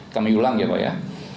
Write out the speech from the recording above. kami ulang ya pak